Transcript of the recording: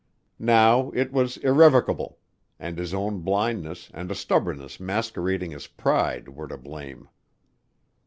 Now it was irrevocable and his own blindness and a stubbornness masquerading as pride were to blame.